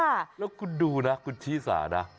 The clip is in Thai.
แล้วคุณดูนะคุณชีสานะ